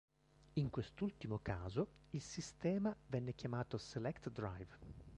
In quest'ultimo caso, il sistema venne chiamato "select-drive".